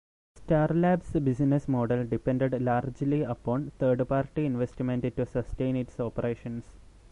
Starlab's business model depended largely upon third-party investment to sustain its operations.